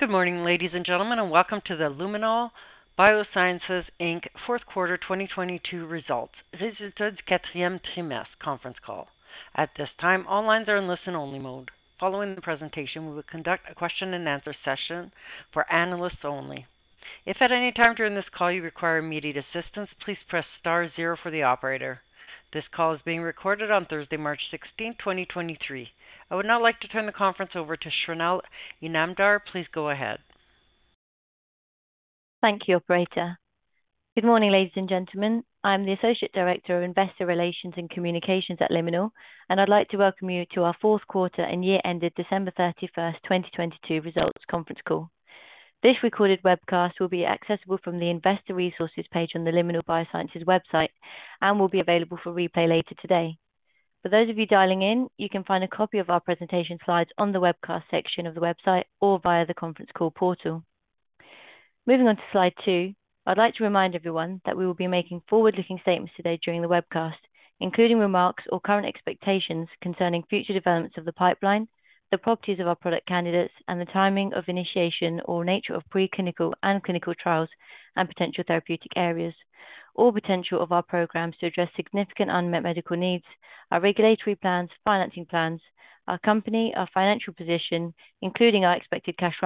Good morning, ladies and gentlemen, and welcome to the Liminal BioSciences Inc. 4th Quarter 2022 Results conference call. At this time, all lines are in listen only mode. Following the presentation, we will conduct a question and answer session for analysts only. If at any time during this call you require immediate assistance, please press star zero for the operator. This call is being recorded on Thursday, March 16, 2023. I would now like to turn the conference over to Shrinal Inamdar. Please go ahead. Thank you, operator. Good morning, ladies and gentlemen. I'm the Associate Director of Investor Relations and Communications at Liminal, and I'd like to welcome you to our 4th quarter and year-ended December 31, 2022 results conference call. This recorded webcast will be accessible from the Investor Resources page on the Liminal BioSciences website and will be available for replay later today. For those of you dialing in, you can find a copy of our presentation slides on the webcast section of the website or via the conference call portal. Moving on to slide 2, I'd like to remind everyone that we will be making forward-looking statements today during the webcast, including remarks or current expectations concerning future developments of the pipeline, the properties of our product candidates, and the timing of initiation or nature of preclinical and clinical trials and potential therapeutic areas, or potential of our programs to address significant unmet medical needs, our regulatory plans, financing plans, our company, our financial position, including our expected cash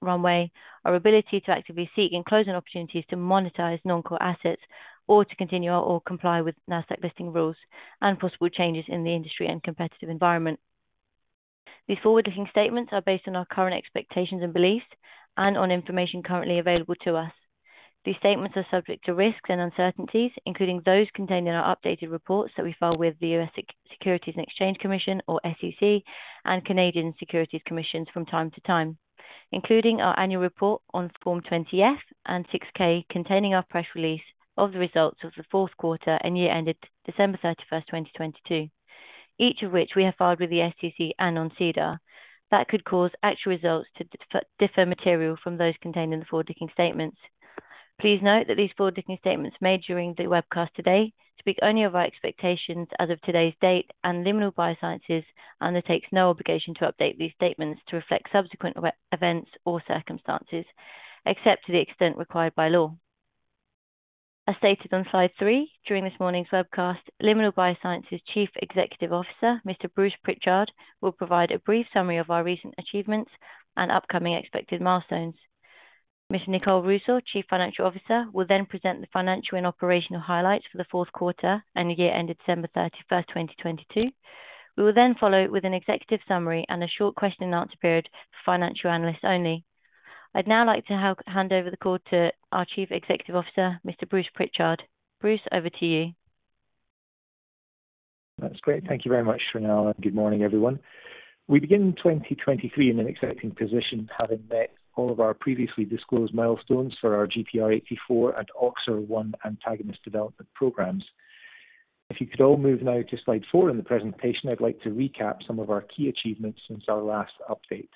runway, our ability to actively seek and close on opportunities to monetize non-core assets, or to continue or comply with Nasdaq listing rules and possible changes in the industry and competitive environment. These forward-looking statements are based on our current expectations and beliefs and on information currently available to us. These statements are subject to risks and uncertainties, including those contained in our updated reports that we file with the U.S. Securities and Exchange Commission or SEC and Canadian Securities Administrators from time to time, including our annual report on Form 20-F and Form 6-K containing our press release of the results of the 4th quarter and year-ended December 31, 2022, each of which we have filed with the SEC and on SEDAR, that could cause actual results to differ materially from those contained in the forward-looking statements. Please note that these forward-looking statements made during the webcast today speak only of our expectations as of today's date, and Liminal BioSciences undertakes no obligation to update these statements to reflect subsequent events or circumstances, except to the extent required by law. As stated on slide 3, during this morning's webcast, Liminal BioSciences Chief Executive Officer, Mr. Bruce Pritchard, will provide a brief summary of our recent achievements and upcoming expected milestones. Miss Nicole Rusaw, Chief Financial Officer, will present the financial and operational highlights for the 4th quarter and year-ended December 31, 2022. We will follow with an executive summary and a short question and answer period for financial analysts only. I'd now like to hand over the call to our Chief Executive Officer, Mr. Bruce Pritchard. Bruce, over to you. That's great. Thank you very much, Shrinal. Good morning, everyone. We begin 2023 in an exciting position, having met all of our previously disclosed milestones for our GPR84 and OXER1 antagonist development programs. If you could all move now to slide 4 in the presentation, I'd like to recap some of our key achievements since our last update.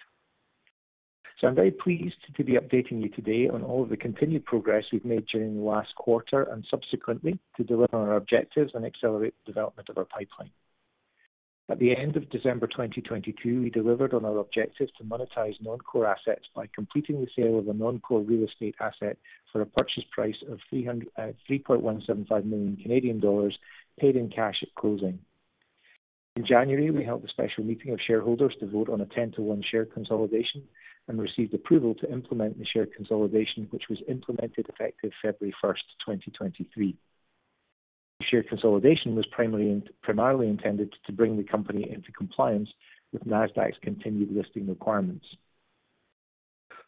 I'm very pleased to be updating you today on all of the continued progress we've made during the last quarter and subsequently to deliver on our objectives and accelerate the development of our pipeline. At the end of December 2022, we delivered on our objective to monetize non-core assets by completing the sale of a non-core real estate asset for a purchase price of 3.175 million Canadian dollars paid in cash at closing. In January, we held a special meeting of shareholders to vote on a 10-to-1 share consolidation and received approval to implement the share consolidation, which was implemented effective February 1, 2023. Share consolidation was primarily intended to bring the company into compliance with Nasdaq's continued listing requirements.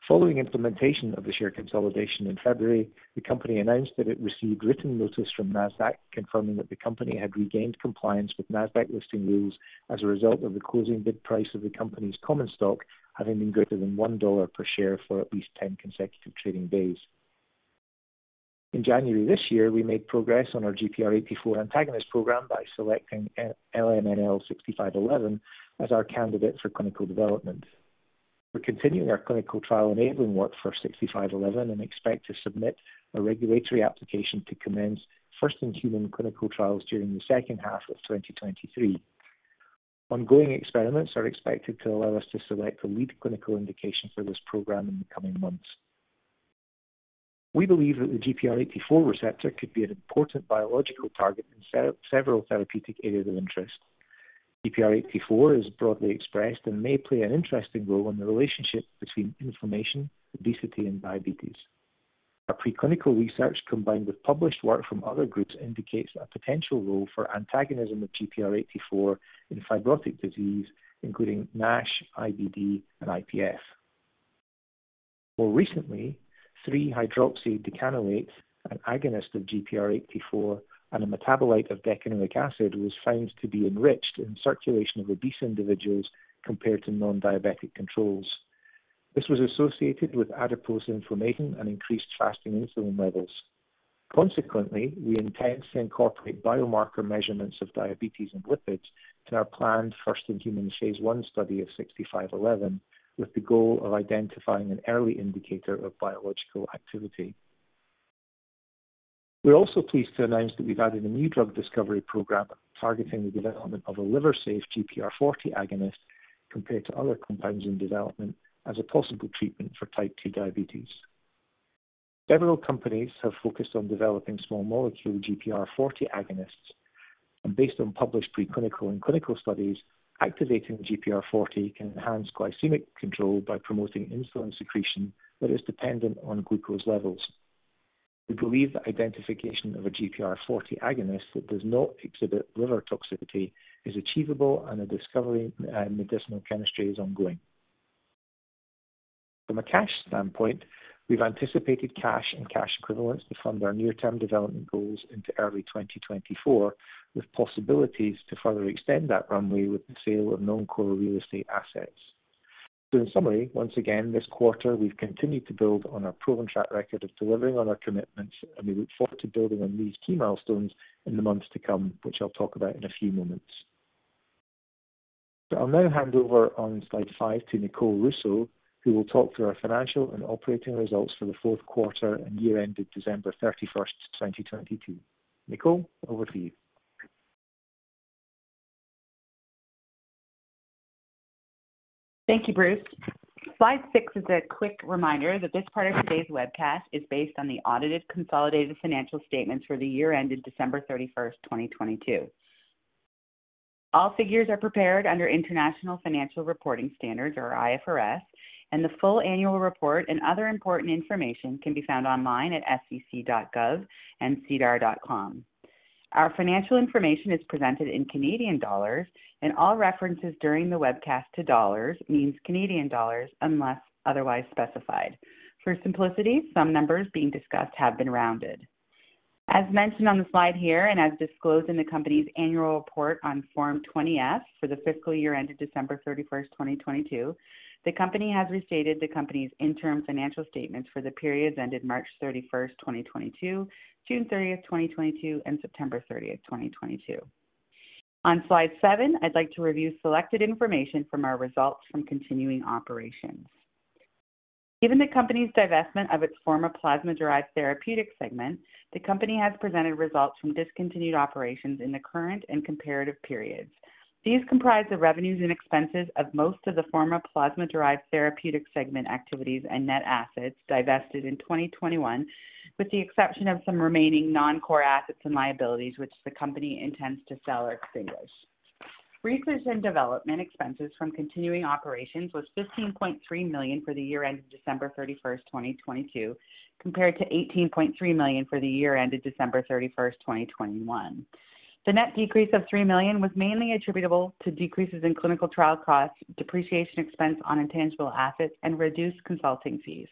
Following implementation of the share consolidation in February, the company announced that it received written notice from Nasdaq confirming that the company had regained compliance with Nasdaq listing rules as a result of the closing bid price of the company's common stock having been greater than $1 per share for at least 10 consecutive trading days. In January this year, we made progress on our GPR84 antagonist program by selecting LMNL6511 as our candidate for clinical development. We're continuing our clinical trial enabling work for LMNL6511 and expect to submit a regulatory application to commence first-in-human clinical trials during the second half of 2023. Ongoing experiments are expected to allow us to select a lead clinical indication for this program in the coming months. We believe that the GPR84 receptor could be an important biological target in several therapeutic areas of interest. GPR84 is broadly expressed and may play an interesting role in the relationship between inflammation, obesity, and diabetes. Our pre-clinical research, combined with published work from other groups, indicates a potential role for antagonism of GPR84 in fibrotic disease, including NASH, IBD, and IPF. More recently, 3-hydroxydecanoate, an agonist of GPR84 and a metabolite of decanoic acid, was found to be enriched in circulation of obese individuals compared to non-diabetic controls. This was associated with adipose inflammation and increased fasting insulin levels. Consequently, we intend to incorporate biomarker measurements of diabetes and lipids to our planned first-in-human phase 1 study of LMNL6511, with the goal of identifying an early indicator of biological activity. We're also pleased to announce that we've added a new drug discovery program targeting the development of a liver safe GPR40 agonist compared to other compounds in development as a possible treatment for type 2 diabetes. Several companies have focused on developing small molecule GPR40 agonists, and based on published preclinical and clinical studies, activating GPR40 can enhance glycemic control by promoting insulin secretion that is dependent on glucose levels. We believe that identification of a GPR40 agonist that does not exhibit liver toxicity is achievable and the discovery and medicinal chemistry is ongoing. From a cash standpoint, we've anticipated cash and cash equivalents to fund our near-term development goals into early 2024, with possibilities to further extend that runway with the sale of non-core real estate assets. In summary, once again, this quarter, we've continued to build on our proven track record of delivering on our commitments, and we look forward to building on these key milestones in the months to come, which I'll talk about in a few moments. I'll now hand over on slide 5 to Nicole Rusaw, who will talk through our financial and operating results for the 4th quarter and year ended December 31, 2022. Nicole, over to you. Thank you, Bruce. Slide 6 is a quick reminder that this part of today's webcast is based on the audited consolidated financial statements for the year ended December 31, 2022. All figures are prepared under International Financial Reporting Standards, or IFRS, and the full annual report and other important information can be found online at sec.gov and sedar.com. Our financial information is presented in Canadian dollars and all references during the webcast to dollars means Canadian dollars unless otherwise specified. For simplicity, some numbers being discussed have been rounded. As mentioned on the slide here and as disclosed in the company's annual report on Form 20-F for the fiscal year ended December 31, 2022, the company has restated the company's interim financial statements for the periods ended March 31, 2022, June 30, 2022, and September 30, 2022. On slide 7, I'd like to review selected information from our results from continuing operations. Given the company's divestment of its former plasma-derived therapeutics segment, the company has presented results from discontinued operations in the current and comparative periods. These comprise the revenues and expenses of most of the former plasma-derived therapeutic segment activities and net assets divested in 2021, with the exception of some remaining non-core assets and liabilities which the company intends to sell or extinguish. Research and development expenses from continuing operations was $15.3 million for the year ended December 31, 2022, compared to $18.3 million for the year ended December 31, 2021. The net decrease of $3 million was mainly attributable to decreases in clinical trial costs, depreciation expense on intangible assets, and reduced consulting fees.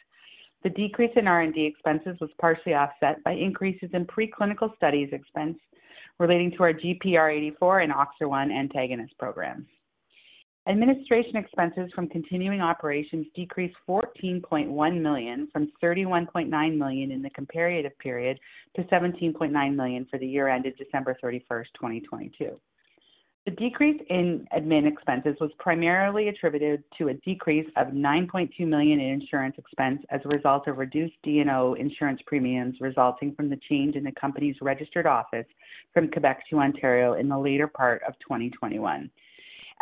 The decrease in R&D expenses was partially offset by increases in preclinical studies expense relating to our GPR84 and OXER1 antagonist programs. Administration expenses from continuing operations decreased $14.1 million from $31.9 million in the comparative period to $17.9 million for the year ended December 31, 2022. The decrease in admin expenses was primarily attributed to a decrease of $9.2 million in insurance expense as a result of reduced D&O insurance premiums resulting from the change in the company's registered office from Quebec to Ontario in the later part of 2021.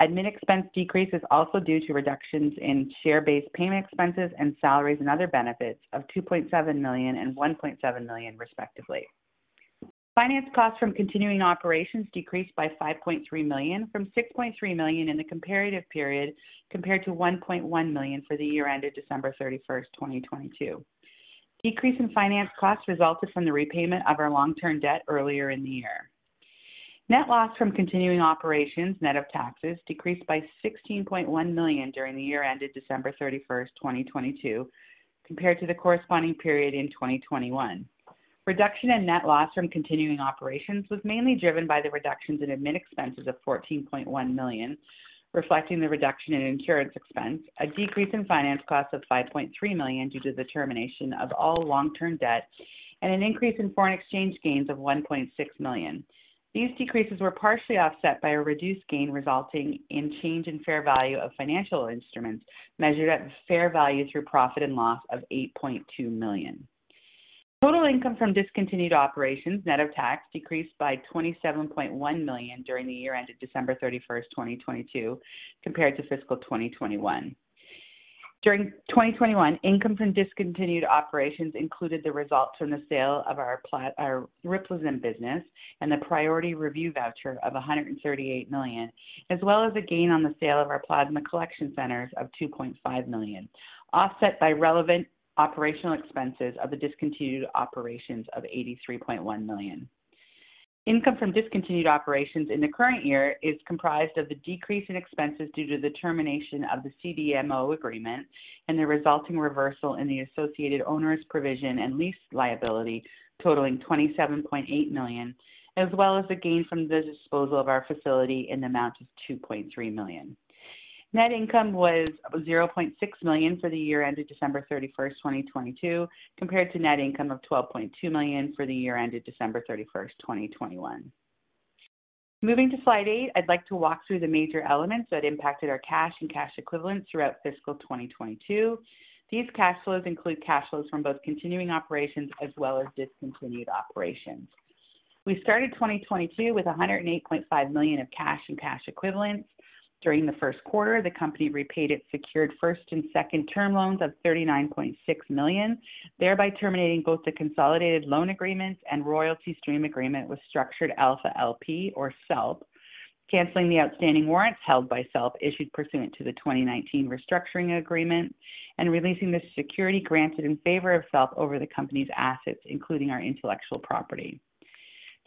Admin expense decrease is also due to reductions in share-based payment expenses and salaries and other benefits of $2.7 million and $1.7 million, respectively. Finance costs from continuing operations decreased by 5.3 million from 6.3 million in the comparative period compared to 1.1 million for the year ended December 31, 2022. Decrease in finance costs resulted from the repayment of our long-term debt earlier in the year. Net loss from continuing operations, net of taxes, decreased by 16.1 million during the year ended December 31, 2022, compared to the corresponding period in 2021. Reduction in net loss from continuing operations was mainly driven by the reductions in admin expenses of 14.1 million, reflecting the reduction in insurance expense, a decrease in finance costs of 5.3 million due to the termination of all long-term debt, and an increase in foreign exchange gains of 1.6 million. These decreases were partially offset by a reduced gain resulting in change in fair value of financial instruments measured at fair value through profit and loss of $8.2 million. Total income from discontinued operations, net of tax, decreased by $27.1 million during the year ended December 31, 2022, compared to fiscal 2021. During 2021, income from discontinued operations included the results from the sale of our Ryplazim business and the priority review voucher of $138 million, as well as a gain on the sale of our plasma collection centers of $2.5 million, offset by relevant operational expenses of the discontinued operations of $83.1 million. Income from discontinued operations in the current year is comprised of the decrease in expenses due to the termination of the CDMO agreement and the resulting reversal in the associated onerous provision and lease liability totaling 27.8 million, as well as the gain from the disposal of our facility in the amount of 2.3 million. Net income was 0.6 million for the year ended December 31, 2022, compared to net income of 12.2 million for the year ended December 31, 2021. Moving to slide 8, I'd like to walk through the major elements that impacted our cash and cash equivalents throughout fiscal 2022. These cash flows include cash flows from both continuing operations as well as discontinued operations. We started 2022 with 108.5 million of cash and cash equivalents. During the first quarter, the company repaid its secured first and second term loans of $39.6 million, thereby terminating both the consolidated loan agreements and royalty stream agreement with Structured Alpha LP or SALP. Canceling the outstanding warrants held by SALP issued pursuant to the 2019 restructuring agreement and releasing the security granted in favor of SALP over the company's assets, including our intellectual property.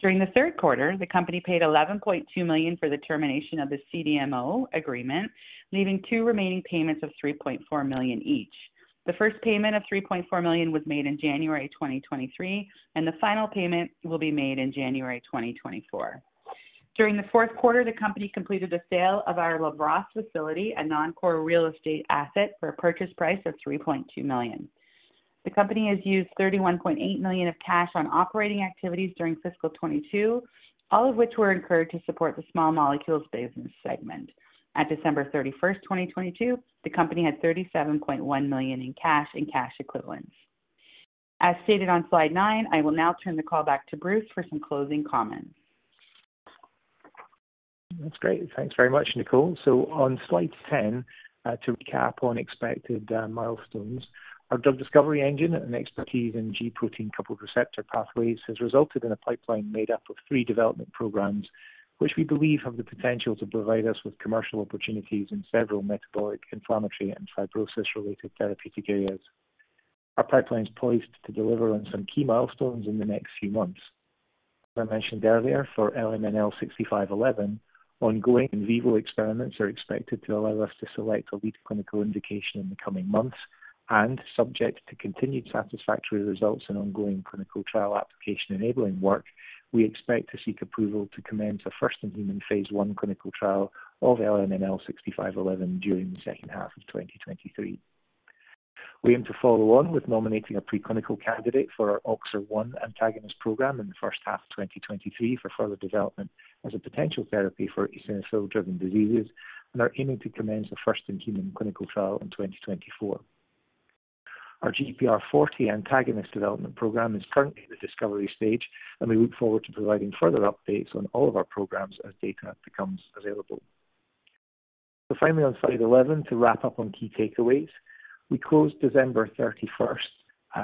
During the 3rd quarter, the company paid $11.2 million for the termination of the CDMO agreement, leaving two remaining payments of $3.4 million each. The first payment of $3.4 million was made in January 2023, and the final payment will be made in January 2024. During the 4th quarter, the company completed the sale of our Labrosse facility, a non-core real estate asset, for a purchase price of $3.2 million. The company has used $31.8 million of cash on operating activities during fiscal 2022, all of which were incurred to support the small molecules business segment. At December 31, 2022, the company had $37.1 million in cash and cash equivalents. As stated on slide 9, I will now turn the call back to Bruce for some closing comments. That's great. Thanks very much, Nicole. On slide 10, to recap on expected milestones. Our drug discovery engine and expertise in G protein-coupled receptor pathways has resulted in a pipeline made up of three development programs, which we believe have the potential to provide us with commercial opportunities in several metabolic, inflammatory, and fibrosis-related therapeutic areas. Our pipeline is poised to deliver on some key milestones in the next few months. As I mentioned earlier, for LMNL-6511, ongoing in vivo experiments are expected to allow us to select a lead clinical indication in the coming months and subject to continued satisfactory results in ongoing clinical trial application enabling work, we expect to seek approval to commence a first in human phase 1 clinical trial of LMNL-6511 during the second half of 2023. We aim to follow on with nominating a preclinical candidate for our OXER1 antagonist program in the first half of 2023 for further development as a potential therapy for eosinophil driven diseases, and are aiming to commence the first in human clinical trial in 2024. Our GPR40 antagonist development program is currently at the discovery stage, and we look forward to providing further updates on all of our programs as data becomes available. Finally on slide 11 to wrap up on key takeaways. We closed December 31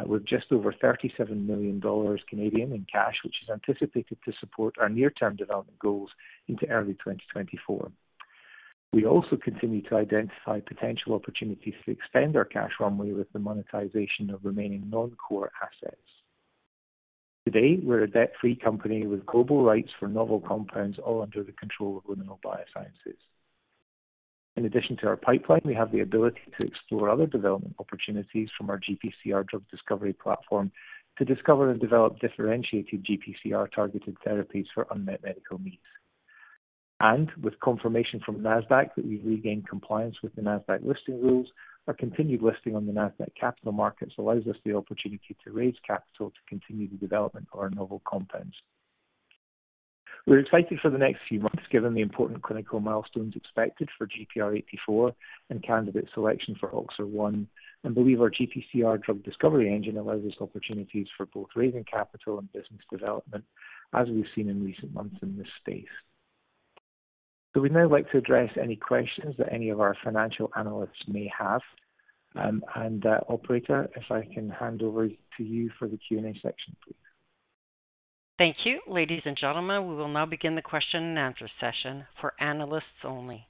with just over 37 million Canadian dollars in cash, which is anticipated to support our near-term development goals into early 2024. We also continue to identify potential opportunities to extend our cash runway with the monetization of remaining non-core assets. Today, we're a debt-free company with global rights for novel compounds all under the control of Liminal BioSciences. In addition to our pipeline, we have the ability to explore other development opportunities from our GPCR drug discovery platform to discover and develop differentiated GPCR targeted therapies for unmet medical needs. With confirmation from Nasdaq that we've regained compliance with the Nasdaq listing rules, our continued listing on the Nasdaq Capital Market allows us the opportunity to raise capital to continue the development of our novel compounds. We're excited for the next few months given the important clinical milestones expected for GPR84 and candidate selection for OXER1, and believe our GPCR drug discovery engine allows us opportunities for both raising capital and business development as we've seen in recent months in this space. We'd now like to address any questions that any of our financial analysts may have. Operator, if I can hand over to you for the Q&A section, please. Thank you. Ladies and gentlemen, we will now begin the question and answer session for analysts only.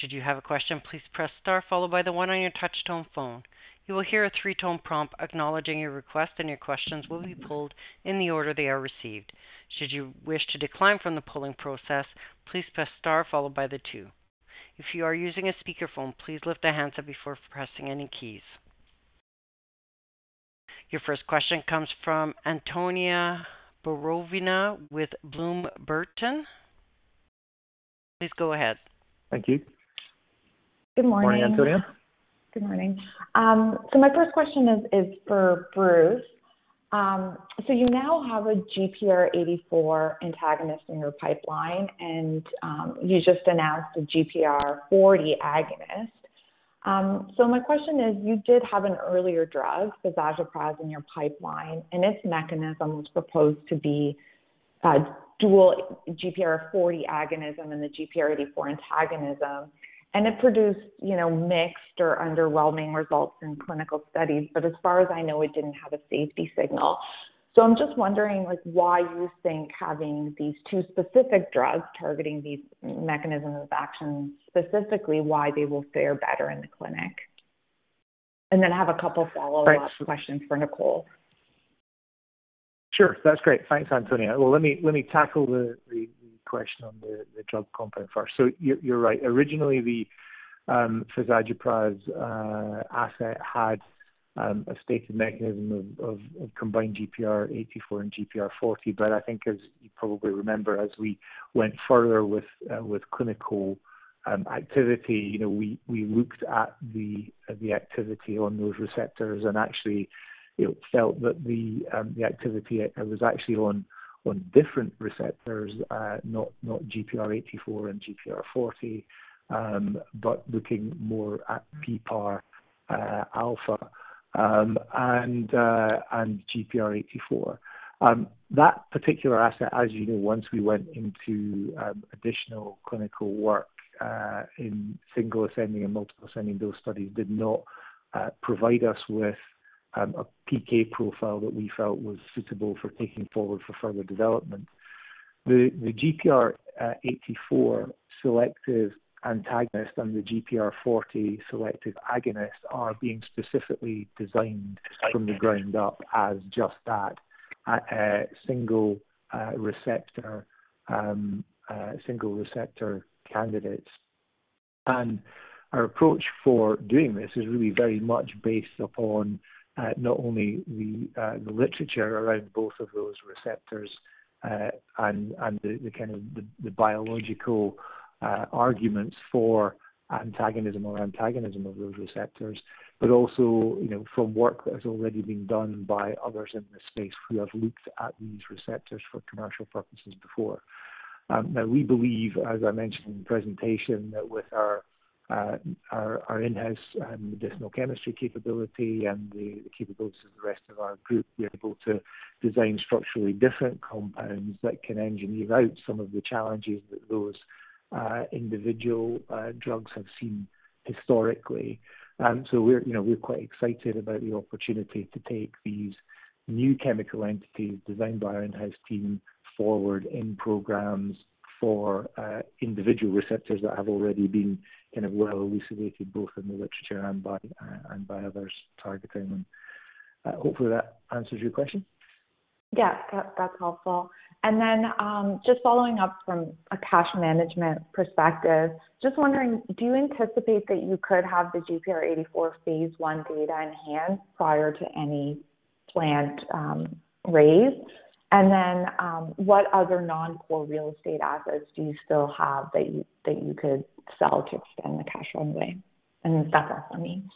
Should you have a question, please press star followed by the one on your touch tone phone. You will hear a 3-tone prompt acknowledging your request, and your questions will be pulled in the order they are received. Should you wish to decline from the polling process, please press star followed by the two. If you are using a speakerphone, please lift the handset before pressing any keys. Your first question comes from Antonia Borovina with Bloom Burton. Please go ahead. Thank you. Good morning. Morning, Antonia. Good morning. My first question is for Bruce. You now have a GPR84 antagonist in your pipeline, and you just announced a GPR40 agonist. My question is you did have an earlier drug, Fezagepras in your pipeline, and its mechanism was proposed to be a dual GPR40 agonism and the GPR84 antagonism, and it produced, you know, mixed or underwhelming results in clinical studies. As far as I know, it didn't have a safety signal. I'm just wondering, like, why you think having these two specific drugs targeting these mechanisms of action, specifically why they will fare better in the clinic. I have a couple follow-up questions for Nicole. Sure. That's great. Thanks, Antonia. Well, let me tackle the question on the drug compound first. You're right. Originally, the Fezagepras asset had a stated mechanism of combined GPR84 and GPR40. I think as you probably remember, as we went further with clinical activity, you know, we looked at the activity on those receptors and actually it felt that the activity was actually on different receptors, not GPR84 and GPR40, but looking more at PPAR-alpha and GPR84. That particular asset, as you know, once we went into additional clinical work, in single ascending and multiple ascending, those studies did not provide us with a PK profile that we felt was suitable for taking forward for further development. The GPR84 selective antagonist and the GPR40 selective agonist are being specifically designed from the ground up as just that, single receptor candidates. Our approach for doing this is really very much based upon not only the literature around both of those receptors and the kind of the biological arguments for antagonism or antagonism of those receptors, but also, you know, from work that has already been done by others in this space who have looked at these receptors for commercial purposes before. Now, we believe, as I mentioned in the presentation, that with our in-house and medicinal chemistry capability and the capabilities of the rest of our group, we're able to design structurally different compounds that can engineer out some of the challenges that those individual drugs have seen historically. We're, you know, we're quite excited about the opportunity to take these new chemical entities designed by our in-house team forward in programs for individual receptors that have already been kind of well elucidated, both in the literature and by others targeting them. Hopefully that answers your question. Yes. That's helpful. Just following up from a cash management perspective, just wondering, do you anticipate that you could have the GPR84 phase 1 data in hand prior to any planned raise? What other non-core real estate assets do you still have that you could sell to extend the cash runway? If that's off limits.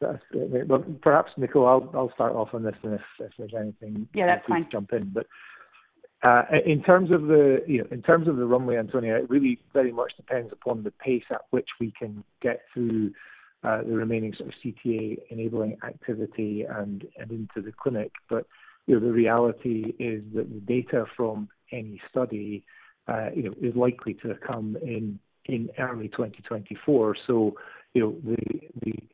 That's. Perhaps, Nicole, I'll start off on this and if there's anything. Yeah, that's fine. you can jump in. In terms of the, you know, in terms of the runway, Antonia, it really very much depends upon the pace at which we can get through the remaining sort of CTA-enabling activity and into the clinic. You know, the reality is that the data from any study, you know, is likely to come in early 2024. You know,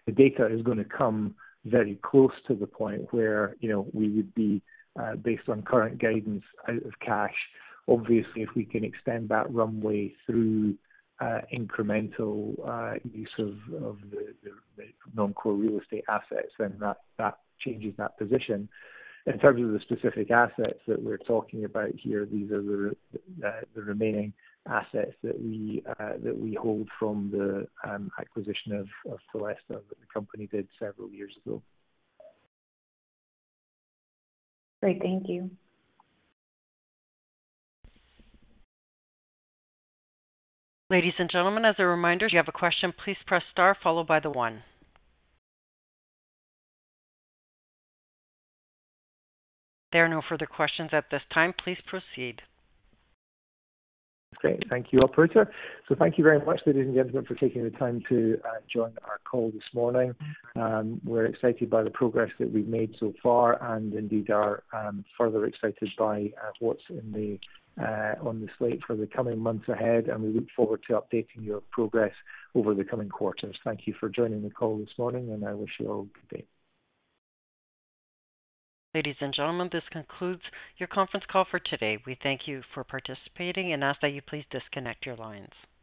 the data is gonna come very close to the point where, you know, we would be based on current guidance out of cash. If we can extend that runway through incremental use of the non-core real estate assets, then that changes that position. In terms of the specific assets that we're talking about here, these are the remaining assets that we hold from the acquisition of Celenso that the company did several years ago. Great. Thank you. Ladies and gentlemen, as a reminder, if you have a question, please press star followed by the one. There are no further questions at this time. Please proceed. Great. Thank you, operator. Thank you very much, ladies and gentlemen, for taking the time to join our call this morning. We're excited by the progress that we've made so far and indeed are further excited by what's in the on the slate for the coming months ahead, and we look forward to updating your progress over the coming quarters. Thank you for joining the call this morning, and I wish you all good day. Ladies and gentlemen, this concludes your conference call for today. We thank you for participating and ask that you please disconnect your lines.